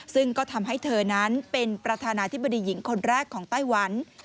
ซึ่งก็ทำให้เธอนั้นเป็นประธานาธิบดีหญิงคนแรกของไต้หวัน